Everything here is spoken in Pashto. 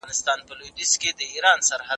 د ملي یووالي لپاره به دا ډول ناستې ډېرې ګټوري وي.